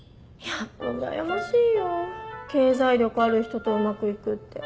やっぱうらやましいよ経済力ある人とうまく行くって。